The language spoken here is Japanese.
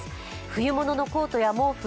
冬物のコートや毛布